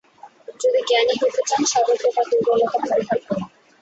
যদি জ্ঞানী হইতে চান, সর্বপ্রকার দুর্বলতা পরিহার করুন।